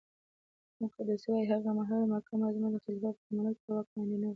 مقدسي وایي هغه مهال مکه معظمه د خلیفه عبدالملک تر واک لاندې نه وه.